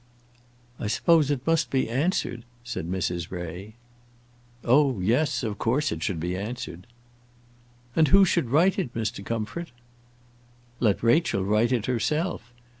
"I suppose it must be answered," said Mrs. Ray. "Oh, yes; of course it should be answered." "And who should write it, Mr. Comfort?" "Let Rachel write it herself.